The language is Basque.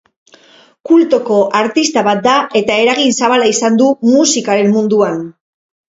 Kultoko artista bat da eta eragin zabala izan du musikaren munduan.